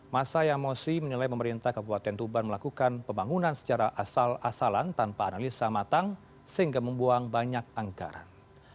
masa yang mosi menilai pemerintah kabupaten tuban melakukan pembangunan secara asal asalan tanpa analisa matang sehingga membuang banyak anggaran